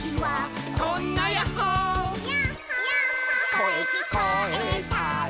「こえきこえたら」